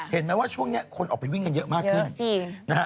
เห็นไหมว่าช่วงนี้คนออกไปวิ่งกันเยอะมากขึ้นนะฮะ